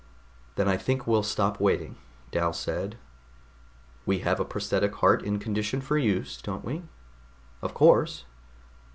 "Then I think we'll stop waiting," Dal said. "We have a prosthetic heart in condition for use, don't we?" "Of course."